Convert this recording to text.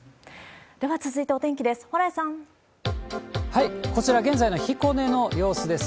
では続いてお天気です。